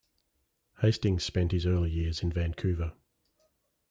Hastings spent his early years in Vancouver.